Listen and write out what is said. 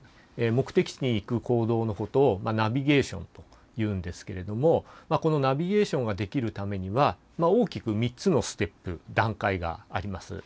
目的地に行く行動のことをナビゲーションというんですけれどもこのナビゲーションができるためには大きく３つのステップ段階があります。